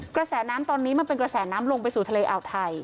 กระแสน้ำตอนนี้มันเป็นกระแสน้ำลงไปสู่ทะเลอ่าวไทย